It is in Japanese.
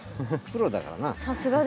プロだからな。